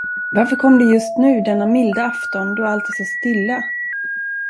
Varför kom det just nu, denna milda afton, då allt är så stilla?